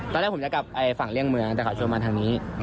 ตอนแรกผมจะกลับฝั่งเลี่ยงเมืองแต่เขาชวนมาทางนี้